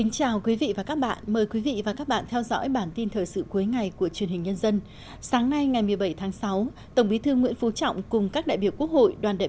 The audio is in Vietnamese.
chào mừng quý vị đến với bản tin thời sự cuối ngày của truyền hình nhân dân